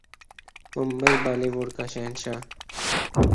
Mumbai Bollywood کے شہنشاہ